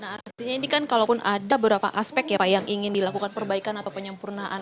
nah artinya ini kan kalaupun ada beberapa aspek ya pak yang ingin dilakukan perbaikan atau penyempurnaan